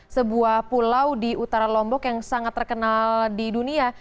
sebuah pulau di utara lombok yang sangat terkenal di dunia